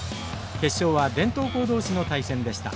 決勝は伝統校同士の対戦でした。